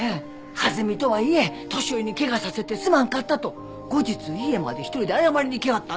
弾みとはいえ年寄りに怪我させてすまんかったと後日家まで１人で謝りに来はったんです。